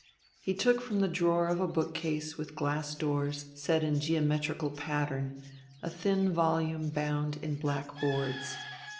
He took from the drawer of a bookcase with glass doors set in geometrical pattern a thin volume bound in black boards.